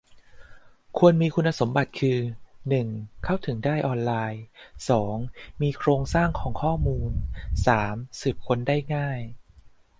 ควรมีคุณสมบัติคือ หนึ่ง เข้าถึงได้ออนไลน์ สอง มีโครงสร้างของข้อมูล สาม สืบค้นได้ง่าย